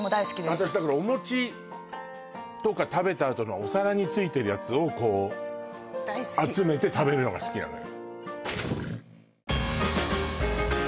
私だからお餅とか食べたあとのお皿についてるやつをこう大好き集めて食べるのが好きなのよ